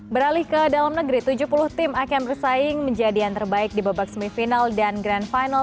beralih ke dalam negeri tujuh puluh tim akan bersaing menjadi yang terbaik di babak semifinal dan grand final